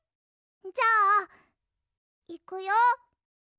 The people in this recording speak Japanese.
じゃあいくよ！